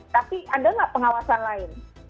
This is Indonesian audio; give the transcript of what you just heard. tapi ada nggak pengawasan lain